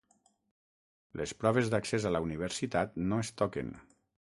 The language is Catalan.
Les proves d’accés a la universitat no es toquen.